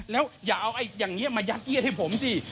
แล้วอย่าเอาอย่างนี้มายัดเอียดให้ผมสิ